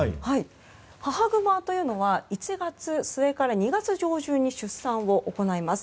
母グマというのは１月末から２月上旬に出産を行います。